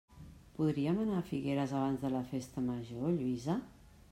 Podríem anar a Figueres abans de la festa major, Lluïsa?